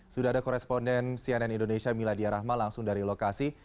sudah ada koresponden cnn indonesia miladia rahma langsung dari lokasi